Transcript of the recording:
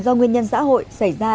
do nguyên nhân xã hội xảy ra